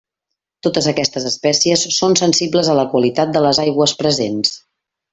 Totes aquestes espècies són sensibles a la qualitat de les aigües presents.